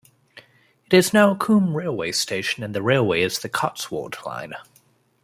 It is now Combe railway station and the railway is the Cotswold Line.